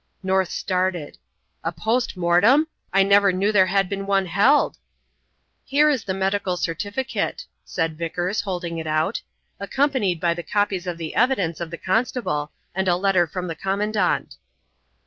North started. "A post mortem? I never knew there had been one held." "Here is the medical certificate," said Vickers, holding it out, "accompanied by the copies of the evidence of the constable and a letter from the Commandant."